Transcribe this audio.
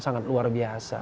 sangat luar biasa